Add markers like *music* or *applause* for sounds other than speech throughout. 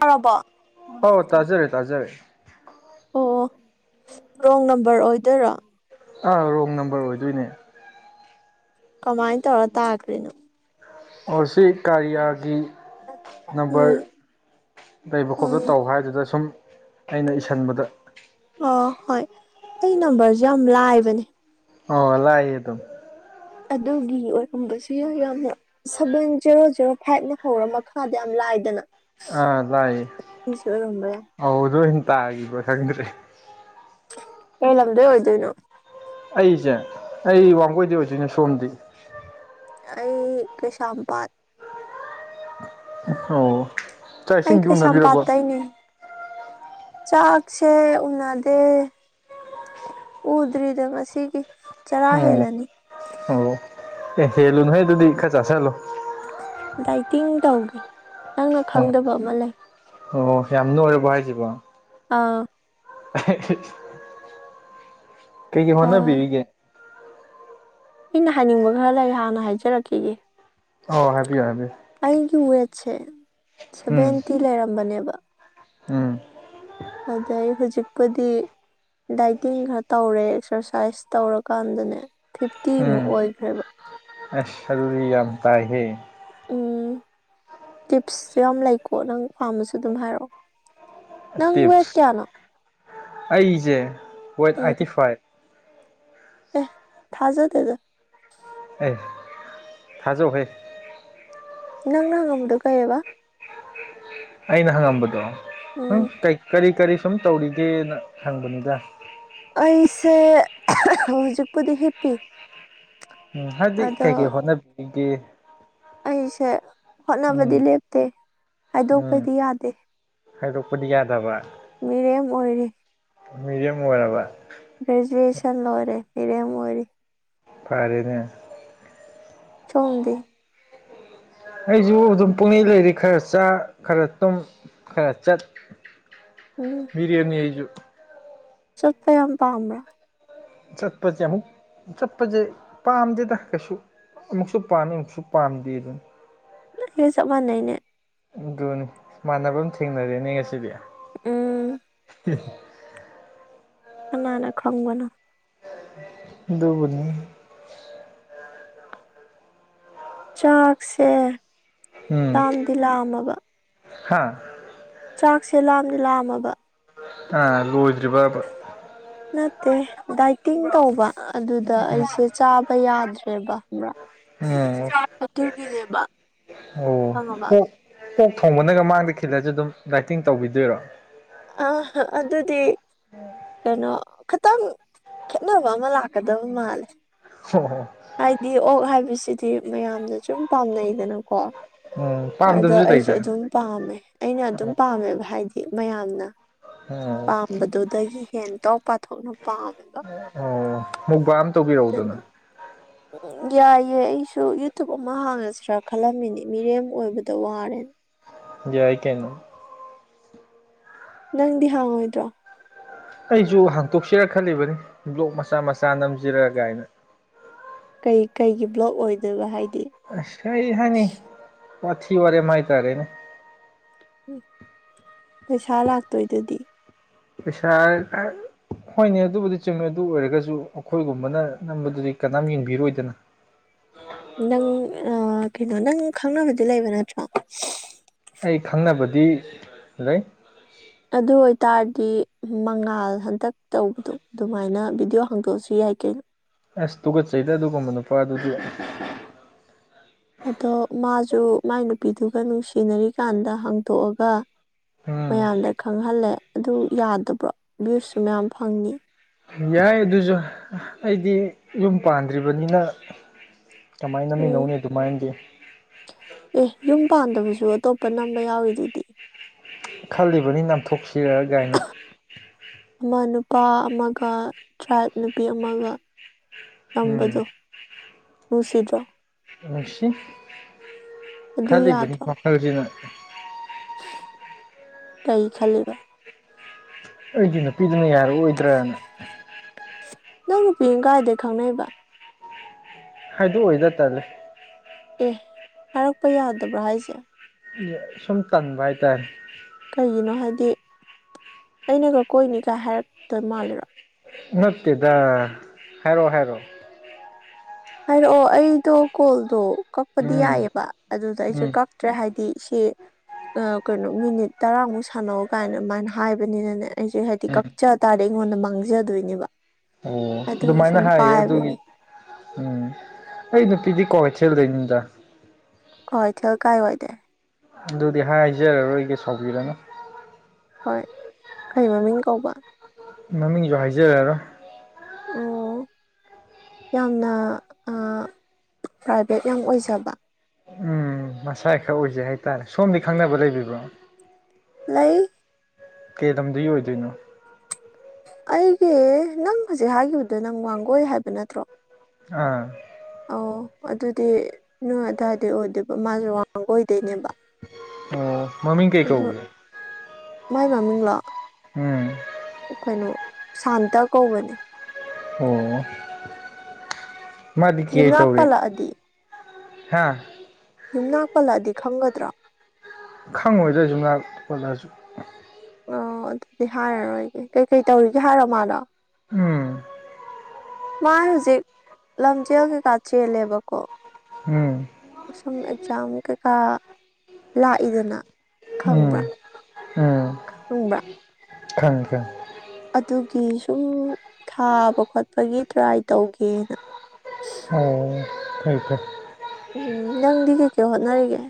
ꯇꯥꯔꯕꯣ ꯍ ꯇꯥꯖꯔꯦ ꯇꯥꯖꯔꯦ ꯑꯣ ꯔꯣꯡ ꯅꯝꯕꯔ ꯑꯣꯏꯗꯣꯏꯔꯥ ꯑꯥ ꯔꯣꯡ ꯅꯝꯕꯔ ꯑꯣꯏꯗꯣꯏꯅꯦ ꯀꯃꯥꯏꯅ ꯇꯧꯔ ꯇꯥꯈ꯭ꯔꯔꯤꯅ ꯑꯣ ꯁꯤ ꯀꯥꯔꯤꯌꯥꯒꯤ ꯅꯝꯕꯔ ꯎꯝ ꯂꯩꯕ ꯈꯣꯠꯄ ꯎꯝ ꯇꯧ ꯍꯥꯏꯗꯨꯗ ꯁꯨꯝ ꯑꯩꯅ ꯏꯁꯁꯤꯟꯕꯗ ꯑꯣ ꯍꯣꯏ ꯑꯩ ꯅꯝꯕꯔꯁꯨ ꯌꯥꯝ ꯂꯥꯏꯕꯅꯦ ꯑꯣꯂꯑꯌꯦ ꯑꯗꯨꯝ ꯑꯗꯨꯒꯤ ꯑꯣꯏꯔꯝꯕꯁꯨ ꯌꯥ ꯌꯥꯝꯅ ꯁꯚꯦꯟ ꯖꯦꯔꯣ ꯖꯦꯔꯣ ꯐꯥꯏꯚꯅ ꯍꯧꯔ ꯃꯈꯥꯗ ꯌꯥꯝ ꯥꯏꯗꯅ ꯑ ꯂꯑ ꯌꯥꯏ ꯍꯗ ꯏ ꯇꯒꯤꯕ ꯈꯗ꯭ꯔꯔꯤ ꯀ ꯅꯂꯝꯗꯦ ꯑꯣꯏꯣꯏꯗꯣꯏꯅ ꯑꯩꯁꯦ ꯑꯩ ꯋꯥꯡꯒꯣꯏꯗꯤ ꯑꯣꯏꯁꯤꯣꯏꯅꯦ ꯁꯣꯝꯗꯤ ꯑꯩ ꯀꯩꯁꯝꯄꯥꯠ ꯑꯣ ꯆꯥꯛ ꯑꯩ ꯏꯁꯤꯡꯗꯤ ꯎꯅꯕꯤꯔꯕ ꯀꯩꯁꯥꯝꯄꯥꯠꯇꯩꯅꯦ ꯆꯥꯛꯁꯦ ꯎꯗ ꯎ ꯗꯔꯤꯗ ꯉꯁꯤꯒꯤ ꯆꯔꯥ ꯑꯣ ꯍꯦꯂꯅꯤ ꯑꯣ ꯑꯦ ꯍꯦꯜꯂꯨ ꯅꯍꯣꯏ ꯑꯗꯨꯗꯤ ꯏ ꯈ ꯆꯁꯂꯣ ꯗꯥꯏꯇꯤꯡ ꯇꯧꯒꯦ ꯅꯪꯅ ꯎꯝ ꯈꯪꯗꯕ ꯑꯃ ꯂꯩ ꯑꯣ ꯌꯥꯝꯅ ꯑꯣꯏꯔꯕ ꯍꯥꯏꯁꯤꯕꯣ ꯑꯥ *unintelligible* ꯀꯩꯒꯤ ꯑꯥ ꯍꯣꯅꯕꯤꯒ ꯑꯩꯅ ꯍꯥꯏꯅꯤꯡꯕ ꯈꯔ ꯂꯩ ꯍꯥꯟꯅ ꯍꯥꯏꯖꯔꯛꯈꯤꯒꯦ ꯑꯣ ꯍꯥꯏꯕꯤꯌꯨ ꯍꯥꯏꯕꯤꯌꯨ ꯁꯦ ꯁꯦꯚꯦꯟꯇꯤ ꯂꯩꯔꯝꯕꯅꯦꯕ ꯍꯥꯝ ꯑꯗꯩ ꯍꯧꯖꯤꯛꯄꯨꯗꯤ ꯗꯥꯏꯇꯤꯡ ꯈꯔ ꯇꯧꯔꯦ ꯑꯦꯛꯁꯔꯁꯥꯏꯁ ꯇꯧꯔꯀꯥꯟꯗꯅꯦ ꯐꯤꯐꯇꯤꯃꯨꯛ ꯑꯣꯏꯈ꯭ꯔꯦꯕ ꯑ ꯁꯔꯔꯤ ꯌꯥꯝꯇꯥꯍ ꯎꯝ ꯇꯤꯞꯁꯁꯨ ꯌꯥꯝ ꯂꯩꯀꯣ ꯅꯪ ꯄꯥꯝꯝꯕꯁꯨ ꯑꯗꯨꯝ ꯍꯥꯏꯔꯛꯑꯣ ꯅꯪꯋꯦꯗ ꯇꯤꯞꯁ ꯀꯌꯥꯅ ꯑꯩꯁꯦ ꯦꯠ ꯑꯥꯏꯠꯇꯤ ꯐꯥꯏꯚ ꯑꯦ ꯊꯥꯖ ꯇꯖ ꯑꯦ ꯊꯥꯖꯣꯛꯍꯦ ꯅꯪꯅꯪꯉꯕꯨꯗꯨ ꯀꯌꯦꯕ ꯑꯩꯅ ꯍꯪꯉꯝꯕꯗꯣ ꯎꯝ ꯀꯔꯤ ꯀꯔꯤ ꯁꯨꯝ ꯇꯧꯔꯤꯒꯦꯅ ꯍꯪꯕꯅꯤꯗ ꯑꯩꯁꯦ ꯍꯧꯖꯤꯛꯄꯨꯗꯤ ꯍꯤꯞꯄꯤ ꯎꯝ ꯍꯥꯏꯗꯤ ꯑꯗꯣ ꯊ ꯍꯣꯅꯕꯤꯦ ꯑꯩꯁꯦ ꯍꯣꯠꯅꯕꯗꯤ ꯂꯦꯞꯇꯦ ꯍꯥꯏꯗꯣꯛꯄꯗꯤ ꯌꯥꯗꯦ ꯍꯗꯣꯛ ꯀꯗꯤ ꯌꯥꯌꯥꯗꯕ ꯃꯤꯔꯦꯝ ꯑꯣꯏꯔꯦ ꯃꯤꯔꯦ ꯃ ꯑꯣꯏꯔꯔꯕ ꯒ꯭ꯔꯥꯖꯨꯋꯦꯁꯟ ꯂ ꯑꯣꯏꯔꯦ ꯏꯔꯦ ꯃꯔꯤ ꯐꯔꯦꯅꯦ ꯆꯗꯤ ꯑꯩꯁꯨ ꯑꯗꯨꯝ ꯄꯨꯛꯅꯤꯡꯩ ꯂꯩꯔꯤ ꯈꯔ ꯆꯥ ꯈꯔ ꯇꯨꯝ ꯈꯔ ꯆꯠ ꯕꯤꯔꯌꯥꯅꯤ ꯍꯥꯏꯁꯨ ꯆꯠꯇ ꯌꯥꯝꯝ ꯄ ꯑꯃꯔ ꯆꯠꯄꯁꯦ ꯑꯃꯨꯛ ꯆꯠꯄꯁꯦ ꯄꯥꯝꯗꯦꯗ ꯀꯩꯁꯨ ꯑꯃꯨꯛꯁꯨ ꯄꯥꯝꯃꯤ ꯑꯃꯨꯛꯁꯨ ꯄꯥꯝꯗꯦ ꯑꯗꯨꯅ ꯍꯦ ꯆ ꯅꯅꯦ ꯑꯗꯨꯅꯤ ꯃꯥꯟꯅꯕ ꯑꯃ ꯊꯦꯡꯅꯔꯦꯅꯦ ꯉꯁꯤꯗꯤ ꯎꯝ ꯍꯜ ꯀꯅꯅꯥ ꯈꯪꯕꯅꯣ ꯑꯗꯨꯕꯨꯗꯤ ꯆꯥꯛꯁꯦ ꯂꯥꯝꯗꯤ ꯂꯥꯝꯃꯕ ꯍꯥꯥ ꯆꯥꯛꯁꯦ ꯂꯥꯝꯗꯤ ꯂꯥꯝꯃꯕ ꯑ ꯂꯣꯏꯗ꯭ꯔꯤꯕꯕ ꯅꯠꯇꯦ ꯗꯥꯏꯇꯤꯡ ꯇꯧꯕ ꯑꯗꯨꯗ ꯑꯩꯁꯦ ꯆꯥꯕ ꯌꯥꯗ꯭ꯔꯦꯕ ꯎꯝ *unintelligible* *unintelligible* ꯑꯗꯨꯒꯤꯅꯦꯕ ꯑꯣ ꯈꯪꯉꯕ ꯄꯣꯛ ꯄꯣꯛ ꯊꯣꯡꯕꯅꯒ ꯃꯥꯡꯗ ꯈꯤꯜꯂꯁꯨ ꯑꯗꯨꯝ ꯗꯥꯏꯇꯤꯡ ꯇꯧꯕꯤꯗꯣꯏꯔꯣ ꯑ ꯑꯗꯨꯗꯤ ꯀꯩꯅꯣ ꯈꯤꯇꯪ ꯈꯦꯠꯅꯕ ꯑꯃ ꯂꯥꯛꯀꯗꯕ ꯃꯥꯜꯂꯦ ꯍꯣꯍꯣ ꯍꯥꯏꯗꯤ ꯑꯣꯛ ꯍꯥꯏꯕꯁꯤꯗꯤ ꯃꯌꯥꯝꯅ ꯁꯨꯝ ꯄꯥꯝꯅꯩꯗꯅꯀꯣ ꯎꯝ ꯑꯗꯣ ꯄꯥꯝꯗꯕꯁꯨ ꯑꯩꯁꯨ ꯂꯩꯗꯅ ꯑꯗꯨꯝ ꯄꯥꯝꯃꯦ ꯑꯩꯅ ꯑꯗꯨꯝ ꯄꯥꯝꯃꯦꯕ ꯍꯥꯏꯗꯤ ꯃꯌꯥꯝꯅ ꯑꯣ ꯄꯥꯝꯕꯗꯨꯗꯒꯤ ꯍꯦꯟꯇꯣꯛ ꯄꯥꯊꯣꯛꯅ ꯄꯥꯝꯕ ꯑꯣ ꯃꯨꯛꯕꯥ ꯑꯃ ꯇꯧꯕꯤꯔꯛꯎꯗꯅ ꯌꯥꯏꯑꯦ ꯑꯩꯁꯨ ꯌꯨꯇꯨꯞ ꯑꯃ ꯍꯥꯡꯉꯁꯤꯔꯥ ꯈꯜꯂꯝꯃꯤꯅꯦ ꯃꯤꯔꯦꯝ ꯑꯣꯏꯕꯗ ꯋꯥꯔꯦꯅꯦ ꯌꯥꯏ ꯀꯩꯅꯣ ꯅꯪꯗꯤ ꯍꯥꯡꯉꯣꯏꯗ꯭ꯔꯣ ꯑꯩꯁꯨ ꯍꯥꯡꯇꯣꯛꯁꯤꯔ ꯈꯜꯂꯤꯕꯅꯤ ꯕ꯭ꯂꯣꯛ ꯃꯆꯥ ꯃꯆꯥ ꯅꯝꯁꯤꯔꯥ ꯀꯥꯏꯅ ꯀꯩ ꯀꯩꯒꯤ ꯕ꯭ꯂꯣꯛ ꯑꯣꯏꯗꯣꯏꯕ ꯍꯥꯏ ꯑꯁ ꯀꯩꯍꯥꯏꯅꯤ ꯋꯥꯊꯤ ꯋꯥꯔꯦ ꯃꯥꯥꯏ ꯇꯔꯦꯅꯦ ꯄꯩꯁꯥ ꯂꯥꯛꯇꯣꯏꯗꯨꯗꯤ ꯄꯩꯁꯥ ꯑ *unintelligible* ꯍꯣꯏꯅꯦ ꯑꯗꯨꯕꯨꯗꯤ ꯆꯨꯝꯃꯦ ꯑꯗꯨ ꯑꯣꯏꯔꯒꯁꯨ ꯑꯩꯈꯣꯏꯒꯨꯝꯕꯅ ꯅꯝꯕꯗꯨꯗꯤ ꯀꯅꯥꯝ ꯌꯦꯡꯕꯤꯔꯣꯏꯗꯅ ꯎ *unintelligible* ꯅꯪ ꯑ ꯀꯩꯅꯣ ꯅꯪ ꯈꯪꯅꯕꯗꯤ ꯂꯩꯕ ꯅꯠꯇ꯭ꯔꯣ ꯑꯩ ꯈꯪꯅꯕꯗꯤ ꯂꯩ ꯑꯗꯨ ꯑꯣꯏꯇꯥꯔꯗꯤ ꯃꯉꯥꯜ ꯍꯟꯇꯛ ꯇꯧꯕꯗꯣ ꯑꯗꯨꯃꯥꯏꯅ ꯚꯤꯗꯤꯑꯣ ꯍꯥꯡꯗꯣꯛꯑꯁꯨ ꯌꯥꯏ ꯍꯥꯏꯀ *unintelligible* ꯑꯁ ꯇꯨꯀꯠꯆꯩꯗ ꯑꯗꯨꯒꯨꯝꯕ ꯅꯨꯄꯥ ꯑꯗꯨꯗꯤ ꯑꯗꯣ ꯃꯥꯁꯨ ꯃꯥꯏ ꯅꯨꯄꯤꯗꯨꯒ ꯅꯨꯡꯁꯤꯅꯔꯤꯀꯥꯟꯗ ꯍꯥꯡꯇꯣꯛꯑꯒ ꯎꯝ ꯃꯌꯥꯝꯗ ꯈꯪꯍꯜꯂꯦ ꯑꯗꯨ ꯌꯥꯗꯕ꯭ꯔꯣ ꯚ꯭ꯌꯨꯁꯨ ꯃꯌꯥꯝ ꯐꯪꯅꯤ ꯌꯥꯏ ꯑꯗꯨꯁꯨ ꯑꯩꯗꯤ ꯌꯨꯝ ꯄꯥꯟꯗ꯭ꯔꯤꯕꯅꯤꯅ ꯀꯃꯥꯏ ꯎꯝ ꯅꯝꯃꯤꯟꯅꯧꯅꯤ ꯑꯗꯨꯃꯥꯏꯅꯗꯤ ꯑꯦ ꯌꯨꯝ ꯄꯥꯟꯗꯕꯁꯨ ꯑꯇꯣꯞꯄ ꯅꯝꯕ ꯌꯥꯎꯋꯤ ꯖꯤꯗꯤ ꯈꯜꯂꯤꯕꯅꯤ ꯅꯝꯊꯣꯛꯁꯤꯔ ꯒꯥꯏꯅ ꯑꯃ ꯅꯨꯄꯥ ꯑꯃꯒ ꯇ꯭ꯔꯥꯏꯕ ꯅꯨꯄꯤ ꯑꯃꯒ ꯎꯝ *unintelligible* ꯅꯨꯡꯁꯤꯗꯔꯣ ꯅꯨꯡꯁꯤ ꯑꯗꯨ ꯈꯜꯂꯤꯕꯅꯤ ꯌꯥꯗ꯭ꯔꯣ ꯋꯥꯈꯜꯖꯤꯅ ꯀꯩ ꯈꯜꯂꯤꯕ ꯑꯩꯒꯤ ꯅꯨꯄꯤꯗꯨꯅ ꯌꯥꯔꯛꯑꯣꯏꯗ꯭ꯔꯅ ꯅꯪ ꯅꯨꯄꯤꯅ ꯀꯥꯏꯗꯩ ꯈꯪꯅꯩꯕ ꯍꯥꯏꯗꯣꯛ ꯑꯣꯏꯗ ꯇꯜꯂꯦ ꯍꯥꯏꯔꯛꯄ ꯌꯥꯗꯕ꯭ꯔꯥ ꯍꯥꯏꯁꯦ ꯁꯨꯝ ꯇꯟꯕ ꯍꯥꯏꯇꯥꯔꯦ ꯀꯩꯒꯤꯅꯣ ꯍꯥꯏꯗꯤ ꯑꯩꯅꯒ ꯀꯣꯏꯅꯤꯒ ꯍꯥꯏꯔꯛꯇꯣꯏ ꯃꯥꯂꯤꯔꯣ ꯅꯠꯇꯦꯗ ꯍꯥꯏꯔꯣꯑꯣ ꯍꯥꯏꯔꯣꯑꯣ ꯍꯥꯏꯔꯛꯑꯣ ꯑꯩꯗꯣ ꯀꯣꯜꯗꯣ ꯀꯛꯄꯗꯤ ꯎꯝ ꯌꯥꯏꯑꯕ ꯑꯗꯨꯗ ꯑꯩꯁꯨꯦ ꯎꯝ ꯀꯛꯇ꯭ꯔꯦ ꯍꯥꯏ ꯇ ꯁꯤꯦ ꯀꯩꯅꯣ ꯃꯤꯅꯤꯠ ꯇꯔꯥꯃꯨꯛ ꯁꯥꯟꯅꯧ ꯀꯥꯏꯅ ꯑꯗꯨꯃꯥꯏꯅ ꯍꯥꯏꯕꯅꯤꯅꯅꯦ ꯑꯩꯁꯦ ꯍꯥꯏꯗꯤ ꯎꯝ ꯀꯛꯆ ꯇꯥꯔꯦ ꯑꯩꯉꯣꯟꯗ ꯃꯥꯡꯖꯗꯣꯏꯅꯦꯕ ꯑꯣ ꯑꯗꯨꯒꯤ ꯑꯗꯨꯃꯥꯏꯅ ꯁꯨꯝ ꯍꯥꯏꯌꯦ ꯑꯗꯨꯒꯤ ꯄꯥꯏꯕꯅꯦ ꯎꯝ ꯑꯩ ꯅꯨꯄꯤꯗꯤ ꯀꯣꯀꯦ ꯊꯦꯜꯗꯣꯏꯅꯤꯗ ꯍꯣꯏ ꯏ ꯊꯦꯜꯦꯜ ꯀꯥꯏ ꯑꯣꯏꯗꯦ ꯑꯗꯨꯗꯤ ꯍꯥꯏꯖꯔꯔꯣꯏꯒꯦ ꯁꯥꯎꯕꯤꯔꯅꯨ ꯈꯔꯤ ꯃꯃꯤꯡ ꯀꯧꯕ ꯃꯃꯤꯡꯁꯨ ꯍꯥꯏꯖꯔꯦꯔꯣ ꯑꯣ ꯌꯥꯝꯅ ꯄ꯭ꯔꯥꯏꯚꯦꯠ ꯌꯥꯝ ꯑꯣꯏꯖꯕ ꯎꯝ ꯃꯁꯥ ꯈꯔ ꯑꯣꯏꯖꯩ ꯍꯥꯏꯇꯥꯔꯦ ꯁꯣꯝꯗꯤ ꯈꯪꯅꯕ ꯂꯩꯕꯤꯕ꯭ꯔꯣ ꯂꯩ ꯀꯩꯗꯝꯗꯤ ꯑꯣꯏꯗꯣꯏꯅꯣ ꯑꯩꯒꯤ ꯅꯪ ꯍꯧꯖꯤꯛ ꯍꯥꯏꯈꯤꯕꯗꯣ ꯅꯪ ꯋꯥꯡꯒꯣꯏ ꯍꯥꯏꯕ ꯅꯠꯇ꯭ꯔꯣ ꯑꯥ ꯑ ꯑꯗꯨꯗꯤ ꯅꯣꯏ ꯑꯗꯨꯋꯥꯏꯗꯤ ꯑꯣꯏꯗꯣꯏꯕ ꯃꯥꯁꯨ ꯋꯥꯡꯒ ꯑꯣꯏꯗꯣꯏꯅꯦꯕ ꯑ ꯃꯃꯤ ꯀꯩ ꯀꯧꯦ ꯃꯥꯏ ꯃꯃꯤꯣ ꯎꯝ ꯀꯩꯅꯣ ꯁꯥꯟꯇ ꯀꯧꯕꯅꯦ ꯑꯣ ꯃꯥꯗꯤ ꯀ ꯌꯨꯝꯅꯥꯛ ꯇꯧꯔꯦ ꯄꯜꯂꯛꯑꯗꯤ ꯍꯥꯥ ꯌꯨꯝꯅꯥꯛ ꯄꯜꯂꯛꯑꯗꯤ ꯈꯪꯒꯗ꯭ꯔꯣ ꯈꯪꯉꯣꯏꯗ꯭ꯔ ꯁꯨꯝ ꯉ ꯈꯣꯠꯂꯛꯁꯨ ꯑꯣ ꯑꯗꯨꯗꯤ ꯍꯥꯏꯔꯔꯣꯏꯒꯦ ꯀꯩꯀꯩ ꯇꯧꯔꯤꯒꯦ ꯍꯥꯏꯔꯣ ꯃꯥꯜꯅꯣ ꯎꯝ ꯃꯥꯥꯏ ꯍꯧꯖꯤꯛ ꯂꯝꯖꯦꯜꯒꯤꯩ ꯀꯥ ꯆꯦꯜꯂꯦꯕꯀꯣ ꯎꯝ ꯁꯨꯝ ꯑꯦꯛꯖꯥꯝ ꯀꯩꯀꯥ ꯂꯥꯛꯏꯗꯅ ꯎꯝ ꯈꯪꯕ꯭ꯔꯥ ꯎꯝ ꯈꯪꯕ꯭ꯔꯥ ꯊꯪ ꯊꯝ ꯑꯗꯨꯒꯤ ꯁꯨꯝ ꯊꯥꯕ ꯈꯣꯠꯄꯒꯤ ꯇ꯭ꯔꯥꯏ ꯇꯧꯒꯦꯅ ꯑꯣ ꯐꯦꯡꯦ ꯎꯝ ꯅꯪꯗꯤ ꯀꯩꯀꯩ ꯍꯣꯠꯅꯔꯤꯒꯦ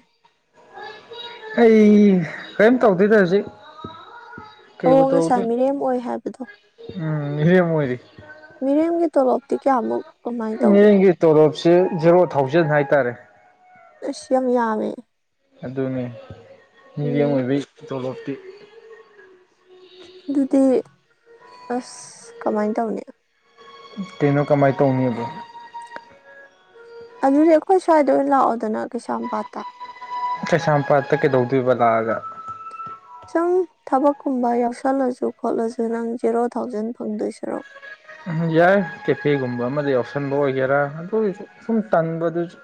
ꯑꯩ ꯀꯔꯤꯝ ꯇꯧꯗꯣꯏꯗ ꯍꯧꯖꯤꯛ ꯑꯣ ꯀꯩꯕꯨ ꯉꯁꯥꯏ ꯇꯧꯗꯣꯏꯅꯣ ꯃꯤꯔꯦꯝ ꯑꯣꯏ ꯍꯥꯏꯕꯗꯣ ꯎꯝ ꯍ ꯃꯣꯏꯗꯤ ꯃꯤꯔꯝꯒꯤ ꯇꯔꯞꯗꯤ ꯑꯃꯨꯛ ꯃꯤꯒꯤ ꯇꯣꯂꯣꯞꯁꯤ ꯖꯦꯔꯣ ꯊꯥꯎꯖꯟ ꯍꯥꯏꯇꯥꯔꯦ ꯁꯝ ꯌꯥꯃꯦ ꯑꯗꯨꯅꯤ ꯃꯤꯗꯤꯝ ꯑꯣꯏꯕꯩ ꯇꯣꯂꯣꯞꯇꯤ ꯑꯗꯨꯗꯤ ꯑꯁ ꯀꯃꯥꯏꯅ ꯇꯧꯅꯤ ꯇꯩꯅꯣ ꯀꯃꯥꯏꯇꯣ ꯎꯗ ꯑꯗꯨꯗꯤ ꯑꯩꯈꯣꯏ ꯁ꯭ꯋꯥꯏꯗ ꯑꯣꯏꯅ ꯂꯥꯛꯑꯣꯗꯅ ꯀꯩꯁꯥꯝꯄꯥꯠꯇ ꯀꯩꯁꯥꯝꯄꯥꯠꯇ ꯀꯩꯗꯧꯗꯣꯏꯕ ꯂꯥꯛꯑꯒ ꯈꯤ ꯁꯪ ꯊꯕꯛꯀꯨꯝꯕ ꯌꯥꯎꯁꯜꯂꯁꯨ ꯈꯣꯠꯂꯁꯨ ꯅꯪ ꯖꯦꯔꯣ ꯊꯥꯎꯖꯟ ꯐꯪꯗꯣꯏ ꯁꯔꯣ ꯎꯝ ꯌꯥꯏ ꯀꯦꯐꯦꯒꯨꯝꯕ ꯑꯃꯗ ꯌꯥꯎꯁꯟꯕ ꯑꯣꯏꯒꯦꯔꯥ ꯑꯗꯨꯒꯤꯁꯨ ꯁꯨꯝ ꯇꯟꯕꯗꯨꯁꯨ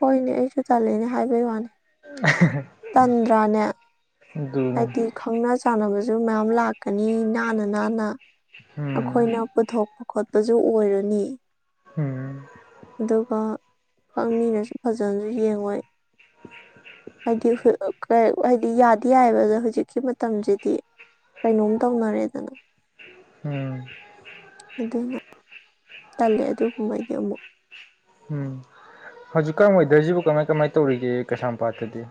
ꯍꯣꯏꯅꯦ ꯑꯩꯁꯨ ꯇꯂꯦꯅꯦ ꯍꯥꯏꯕꯩ ꯋꯥꯅꯤ *unintelligible* ꯭ꯔꯥꯅꯦ ꯑꯗꯨꯅꯤ ꯍꯥꯏꯗꯤ ꯈꯪꯅ ꯆꯥꯟꯅꯕꯁꯨ ꯃꯌꯥꯝ ꯂꯥꯛꯀꯅꯤ ꯅꯥꯟꯅ ꯅꯥꯟꯅ ꯎꯝ ꯑꯩꯈꯣꯏꯅ ꯄꯨꯊꯣꯛꯄ ꯈꯣꯠꯄꯁꯨ ꯑꯣꯏꯔꯅꯤ ꯎꯝ ꯈꯪꯃꯤꯔꯁꯨ ꯐꯖꯅꯁꯨ ꯌꯦꯡꯉꯣꯏ *unintelligible* ꯍꯥꯏꯗꯤ ꯍꯥꯏꯗꯤ ꯌꯥꯗꯤ ꯌꯥꯏꯑꯕ ꯑꯗ ꯍꯧꯖꯤꯛꯀꯤ ꯃꯇꯝꯁꯤꯗꯤ ꯀꯩꯅꯣꯝ ꯇꯧꯅꯔꯦꯗꯅ ꯎꯝ ꯑꯗꯨꯅ ꯇꯜꯂꯦ ꯑꯗꯨꯒꯨꯝꯕꯩꯗꯤ ꯑꯃꯨꯛ ꯎꯝ ꯍꯧꯖꯤꯛꯀꯥꯟ ꯋꯦꯗꯔꯁꯤꯕꯨ ꯀꯃꯥꯏ ꯀꯃꯥꯏ ꯇꯧꯔꯤꯒꯦ ꯀꯩꯁꯥꯝꯄꯥꯠꯇꯗꯤ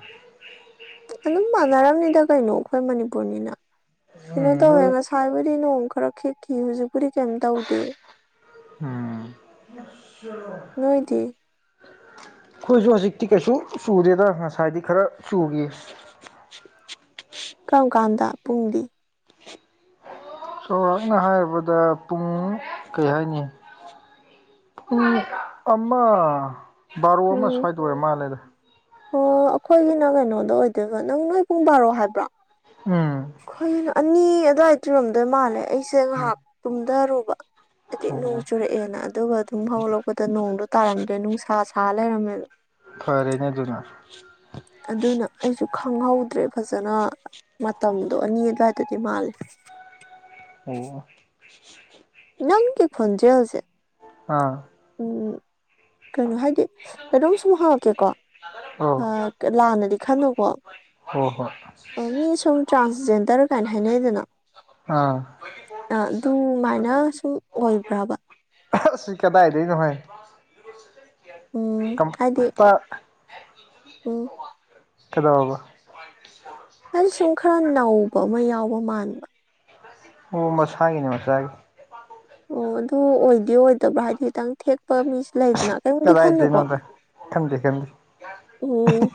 ꯑꯗꯨꯝ ꯃꯥꯟꯅꯔꯝꯅꯤꯗ ꯀꯩꯅꯣ ꯑꯩꯈꯣꯏ ꯃꯅꯤꯄꯨꯔꯅꯤꯅ ꯀꯩꯅꯣ ꯇꯧꯋꯦ ꯎꯝ ꯉꯁꯥꯏꯕꯨ ꯗꯤ ꯅꯣꯡ ꯈꯔ ꯍꯈꯤꯦꯛꯈꯤ ꯍꯧꯖꯤꯛꯄꯨꯗꯤ ꯀꯩꯝ ꯇꯧꯗꯦ ꯃꯆꯣ ꯅꯣꯏꯗꯤ ꯑꯩꯈꯣꯏꯁꯨ ꯍꯧꯖꯤꯛꯇꯤ ꯀꯩꯁꯨ ꯆꯨꯗꯦꯗ ꯉꯁꯥꯏꯗꯤ ꯈꯔ ꯆꯨꯈꯤ ꯀꯧꯀꯥꯟꯗ ꯄꯨꯡꯗꯤ ꯆꯥꯎꯔꯥꯛꯅ ꯍꯥꯏꯔꯕꯗ ꯄꯨꯡ ꯀꯩ ꯍꯥꯏꯅꯤ ꯄꯨꯡ ꯑꯃ ꯕꯥꯔꯣ ꯑꯃ ꯎꯝ ꯁ꯭ꯋꯥꯏꯗ ꯑꯣꯏꯔꯦ ꯃꯥꯜꯂꯦꯗ ꯑꯣ ꯑꯩꯈꯣꯏꯒꯤꯅ ꯀꯩꯅꯣꯗ ꯑꯣꯏꯗꯣꯏꯕ ꯅꯪ ꯅꯣꯏ ꯄꯨꯡ ꯕꯥꯔꯣ ꯍꯥꯏꯕ꯭ꯔꯣ ꯎꯝ ꯑꯩꯈꯣꯏꯒꯤꯅ ꯑꯅꯤ ꯑꯗꯨꯋꯥꯏ ꯇꯨꯔꯝꯗꯣꯏ ꯃꯥꯜꯂꯦ ꯑꯩꯁꯦ ꯉꯥꯏꯍꯥꯛ ꯇꯨꯝꯊꯔꯨꯕ ꯍꯥꯏꯗꯤ ꯅꯣꯡ ꯑꯣ ꯆꯨꯔꯛꯑꯦꯅ ꯑꯗꯨꯒ ꯑꯗꯨꯝ ꯍꯧꯥꯎꯂꯛꯄꯗ ꯅꯣꯡꯗꯣ ꯇꯥꯔꯝꯗ꯭ꯔꯦ ꯅꯨꯡꯁꯥ ꯁꯥ ꯔꯝꯃꯦ ꯐꯔꯦꯅꯦ ꯑꯗꯨꯅ ꯑꯗꯨꯅ ꯑꯩꯁꯨ ꯈꯪꯍꯧꯗ꯭ꯔꯦ ꯐꯖꯅ ꯃꯇꯝꯗꯣ ꯑꯅꯤ ꯑꯗꯨꯋꯥꯏꯗꯗꯤ ꯃꯥꯂꯦ ꯑꯣ ꯅꯪ ꯀꯦ ꯈꯣꯟꯟꯖꯦ ꯍꯧꯁꯦ ꯑꯥ ꯎꯝ ꯀꯩꯅꯣ ꯍꯥꯏꯗꯤ ꯀꯩꯅꯣꯝ ꯁꯨꯝ ꯍꯥꯡꯉꯛꯀꯦꯀꯣ ꯑꯣ ꯂꯥꯟꯅꯗꯤ ꯈꯟꯅꯨꯀꯣ ꯍꯣꯏ ꯍꯣꯏ ꯃꯤ ꯁꯨꯝ ꯇ꯭ꯔꯥꯟꯖꯦꯟꯗꯔ ꯀꯃꯥꯏꯅ ꯍꯥꯏꯅꯩꯗꯅ ꯑꯥ ꯑ ꯑꯗꯨꯃꯥꯏꯅ ꯑꯗꯨ ꯑꯣꯏꯕ꯭ꯔꯕ ꯁꯤ ꯀꯗꯥꯏꯗꯒꯤꯅꯣ ꯍꯥꯏꯥꯏ ꯎꯝ ꯑꯣ ꯊꯦꯗꯥꯕꯕꯥ ꯍꯥꯏ ꯁꯨꯝ ꯈꯔ ꯅꯧꯕ ꯑꯃ ꯌꯥꯎꯕ ꯃꯥꯜꯂꯦ ꯑꯣ ꯃꯁꯥꯒꯤꯅꯦ ꯃꯁꯥꯒꯤ ꯑꯣ ꯑꯗꯨ ꯑꯣꯏꯗꯤ ꯑꯣꯏꯗꯕ꯭ꯔꯥ ꯍꯥꯏꯗꯤ ꯈꯤꯇꯪ ꯊꯦꯛꯄ ꯃꯤꯁꯦ ꯂꯩꯗꯅ ꯀꯩꯝꯨꯗꯤ ꯈꯟꯅꯨꯀꯣ ꯀ ꯎꯝ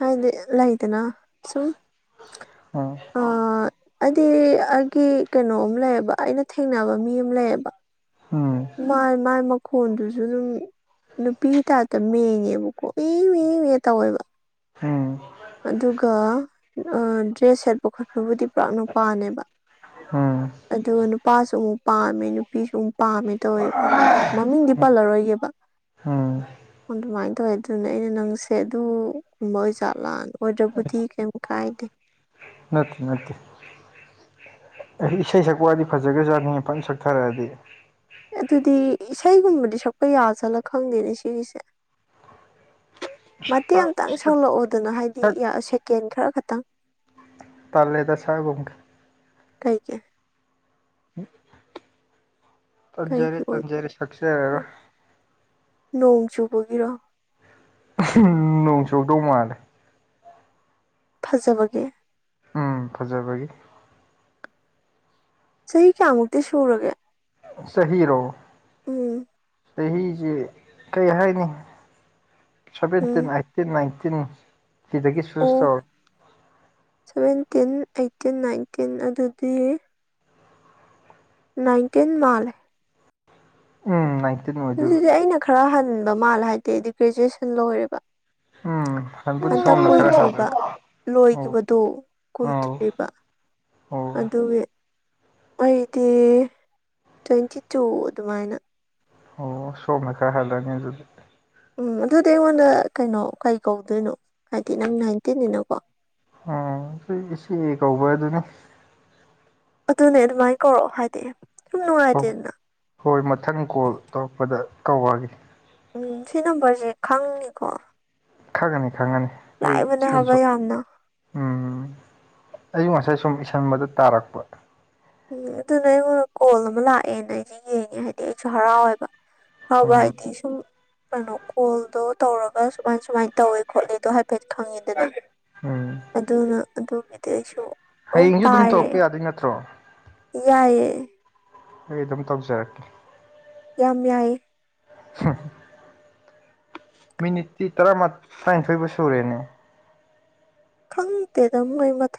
ꯍꯥꯏꯗꯤ ꯂꯩ ꯂꯩꯗꯅ ꯁꯨꯝ ꯑꯝ ꯑꯗꯨꯗꯤ ꯑꯩꯒꯤ ꯀꯩꯅꯣꯝ ꯂꯩꯌꯦꯕ ꯑꯩꯅ ꯊꯦꯡꯅꯕ ꯃꯤ ꯑꯃ ꯂꯩꯌꯦꯕ ꯎꯝ ꯃꯥꯏ ꯃꯥꯏ ꯃꯈꯣꯟꯗꯨꯁꯨ ꯑꯗꯨꯝ ꯅꯨꯄꯤ ꯇꯥꯇ ꯃꯡꯉꯦꯕꯀꯣ ꯏꯅꯦ ꯇꯧꯋꯦꯕ ꯎꯝ ꯑꯗꯨꯒ ꯗ꯭ꯔꯦꯁ ꯁꯦꯠꯄ ꯈꯣꯠꯄꯕꯨꯗꯤ ꯄꯨꯔꯥꯛꯅꯄꯥꯥꯅꯦꯕ ꯎꯝ ꯑꯗ ꯅꯨꯄꯥꯁꯨ ꯑꯃꯨꯛ ꯄꯥꯝꯃꯦ ꯅꯨꯄꯤꯁꯨ ꯑꯃꯨꯛ ꯄꯥꯝꯃꯦ ꯇꯧꯋꯦꯕ ꯈꯪꯕ꯭ꯔꯥ ꯃꯃꯤꯡꯗꯤ ꯄꯜꯂꯔꯣꯏꯒꯦꯕ ꯍ ꯑꯗꯨꯃꯥꯏꯅ ꯇꯧꯋꯦ ꯑꯗꯨꯅꯦ ꯑꯩꯅ ꯅꯪꯁꯦ ꯑꯗꯨ ꯀꯨꯝꯕ ꯑꯣꯏ ꯆꯥꯠꯂꯛꯅꯤ ꯑꯣ ꯕꯨ ꯊꯀꯦ ꯈꯥꯏꯗꯦ ꯅꯠꯇ ꯅꯠꯇꯦ ꯑꯦ ꯏꯁꯩ ꯁꯛꯄꯩ ꯋꯥꯗꯤ ꯐꯖꯒ꯭ꯔꯖꯥꯠꯅꯤꯍꯦ ꯐꯅ ꯁꯛꯊꯔꯛꯑꯗꯤ ꯑꯗꯨꯗꯤ ꯏꯁꯩꯒꯨꯝꯕꯗꯤ ꯁꯛꯄ ꯌꯥꯖꯠꯂ ꯈꯪꯗꯦꯅꯦ ꯁꯤꯒꯤꯁꯦ ꯃꯇꯦꯛ ꯑꯃꯇꯪ ꯁꯛ ꯁꯛꯂꯛꯑꯣꯗꯅ ꯍꯥꯏꯗꯤ ꯁꯛ ꯌꯥ ꯁꯦꯀꯦꯟ ꯈꯔ ꯈꯛꯇꯪ ꯇꯜꯂꯦꯗ ꯁꯛꯑꯥꯒꯨꯝꯒꯦ ꯀꯩꯒꯤ ꯀꯩꯒꯤ ꯇꯟꯖꯔꯦ ꯑꯣꯏ ꯇꯟꯖꯔꯦ ꯑꯦ ꯁꯛꯆꯔꯔꯣꯏ ꯅꯣꯡ ꯆꯨꯕꯒꯤꯔꯣ ꯎꯝꯍꯝ ꯅꯣꯡ ꯆꯨꯔꯛꯇꯧ ꯃꯜꯂꯦ ꯐꯖꯕꯒꯦ ꯎꯝ ꯐꯖꯔꯕꯒꯤ ꯆꯍꯤ ꯀꯌꯥꯃꯨꯛꯇꯤ ꯁꯨꯔꯒꯦ ꯆꯍꯤ ꯔꯣ ꯎꯝ ꯆꯍꯤꯁꯦ ꯀꯩ ꯍꯥꯏꯅꯤ ꯁꯥꯚꯦꯟꯇꯤꯟ ꯎꯝ ꯑꯩꯏꯠꯇꯤꯟ ꯅꯥꯏꯟ ꯇꯤꯟ ꯁꯤꯗꯒꯤ ꯆꯨꯁ ꯇꯧꯔꯣ ꯇꯤꯟ ꯑꯩꯏꯠꯇꯤꯟ ꯅꯥꯏꯟꯇꯤꯟ ꯑꯗꯨꯗꯤ ꯅꯥꯏꯟꯇꯤꯟ ꯃꯥꯜꯂꯦ ꯎꯝ ꯅꯥꯏꯟ ꯑꯗꯨꯗꯤ ꯑꯩꯅ ꯈꯔ ꯍꯟꯕ ꯃꯥꯜꯂꯦ ꯍꯥꯏꯗꯤ ꯑꯩꯗꯤ ꯒ꯭ꯔꯦꯖꯨꯋꯦꯁꯟ ꯂꯣꯏꯔꯦꯕ ꯎꯝ ꯍꯟꯕꯨꯗꯤ ꯍꯟꯇꯛ ꯁꯣꯝꯅ ꯈꯔ ꯀꯨꯏꯗ꯭ꯔꯤꯕ ꯍꯜꯂꯅꯤ ꯑꯣ ꯂꯣꯏꯈꯤꯕꯗꯣ ꯑꯧ ꯀꯨꯏꯗ꯭ꯔꯤꯌꯦꯕ ꯑꯣ ꯑꯗꯨꯒꯤ ꯑꯩꯗꯤ ꯇ꯭ꯋꯦꯟꯇꯤ ꯇꯨ ꯑꯗꯨꯃꯥꯏꯅ ꯑꯣꯋꯣ ꯁꯣꯝꯅ ꯈꯔ ꯍꯜꯂꯅꯤ ꯑꯗꯨꯗꯤ ꯎꯝ ꯑꯗꯨꯗꯤ ꯑꯩꯉꯣꯟꯗ ꯀꯩꯅꯣ ꯀꯩ ꯀꯧꯗꯣꯏꯅꯣ ꯍꯥꯏꯗꯤ ꯅꯪ ꯅꯥꯏꯟꯇꯤꯟꯅꯤꯅꯀꯣ ꯎꯝ ꯍꯣꯏ ꯏꯆꯦ ꯀꯧꯕ ꯍꯥꯏꯗꯨꯅꯤ ꯑꯗꯨꯅꯦ ꯑꯗꯨꯃꯥꯏꯅ ꯀꯧꯔꯛꯑꯣ ꯍꯥꯏꯗꯤ ꯁꯨꯝ ꯍꯣ ꯅꯨꯡꯉꯥꯏꯇꯦꯗꯅ ꯍꯣꯏ ꯃꯊꯪ ꯀꯣꯜ ꯇꯧꯔꯛꯄꯗ ꯀꯧꯔꯛꯑꯒꯦ ꯎꯝ ꯁꯤ ꯅꯝꯕꯔꯖꯦ ꯈꯪꯅꯤꯀꯣ ꯈꯪꯉꯅꯤ ꯈꯪꯉꯅꯤ ꯑꯩ ꯂꯥꯛꯏꯕꯅꯦ ꯁꯀ꯭ꯔꯤꯟ ꯍꯥꯏꯕ ꯁꯣꯠ ꯌꯥꯝꯅ ꯎꯝ ꯑꯌꯨꯛ ꯉꯁꯥꯏ ꯁꯨꯝ ꯏꯁꯟꯕꯗ ꯇꯥꯔꯛꯄ ꯎꯝ ꯑꯗꯨꯅ ꯅꯦ ꯑꯩꯉꯣꯟꯗ ꯀꯣꯜ ꯑꯃ ꯂꯥꯛꯑꯦꯅ ꯑꯩꯗꯤ ꯌꯦꯡꯉꯦ ꯍꯥꯏꯗꯤ ꯑꯩꯁꯨ ꯍꯔꯥꯎꯋꯦꯕ ꯍꯥꯎꯕ ꯎꯝ ꯍꯥꯏꯗꯤ ꯁꯨꯝ ꯀꯩꯅꯣ ꯀꯣꯜꯗꯣ ꯇꯧꯔꯒ ꯁꯨꯃꯥꯏ ꯁꯨꯃꯥꯏꯅ ꯇꯧꯋꯦ ꯈꯣꯠꯂꯦꯗꯣ ꯍꯥꯏꯐꯦꯠ ꯈꯪꯉꯦꯗꯅ ꯎꯝ ꯑꯗꯨꯅ ꯑꯗꯨꯝꯒꯤꯗꯤ ꯑꯩꯁꯨ ꯍꯌꯦꯡꯖꯨ ꯑꯗꯨꯝ ꯇꯧꯔꯛꯄ ꯌꯥꯗꯣꯏ ꯅꯠꯇ꯭ꯔꯣ ꯌꯥꯏꯌꯦ ꯑꯩ ꯑꯗꯨꯝ ꯇꯧꯖꯔꯛꯀꯦ ꯌꯥꯝ ꯌꯥꯏꯌꯦ ꯍꯨꯝ ꯃꯤꯅꯤꯠꯇꯤ ꯇꯔꯥꯃ ꯇꯔꯥꯅꯤꯊꯣꯏꯕꯨ ꯁꯨꯔꯦꯅꯦ ꯈꯪꯇꯦꯗ ꯃꯣꯏ ꯃꯊꯛ